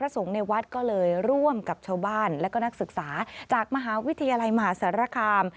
สงฆ์ในวัดก็เลยร่วมกับชาวบ้านและก็นักศึกษาจากมหาวิทยาลัยมหาสารคาม